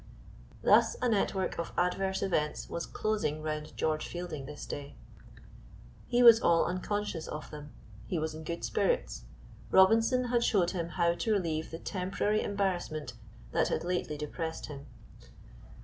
Thus a network of adverse events was closing round George Fielding this day. He was all unconscious of them; he was in good spirits. Robinson had showed him how to relieve the temporary embarrassment that had lately depressed him.